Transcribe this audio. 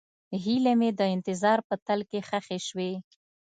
هیلې مې د انتظار په تل کې ښخې شوې.